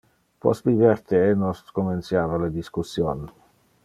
Post biber the, nos comenciava le discussion.